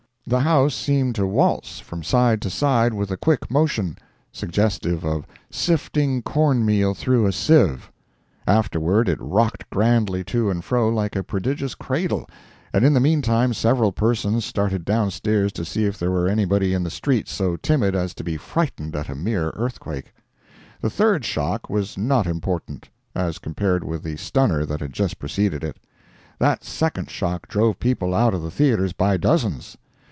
The house seemed to waltz from side to side with a quick motion, suggestive of sifting corn meal through a sieve; afterward it rocked grandly to and fro like a prodigious cradle, and in the meantime several persons started downstairs to see if there were anybody in the street so timid as to be frightened at a mere earthquake. The third shock was not important, as compared with the stunner that had just preceded it. That second shock drove people out of the theatres by dozens.